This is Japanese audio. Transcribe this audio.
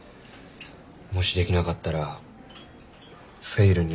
もしできなかったらフェイルに。